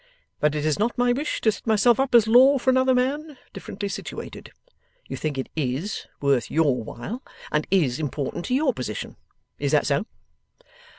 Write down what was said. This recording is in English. But it is not my wish to set myself up as law for another man, differently situated. You think it IS worth YOUR while, and IS important to YOUR position. Is that so?